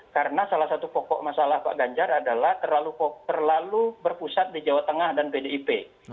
karena salah satu pokok masalah pak ganjar adalah terlalu berpusat di jawa tengah dan pdip